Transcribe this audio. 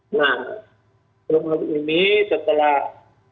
nah soal ini setelah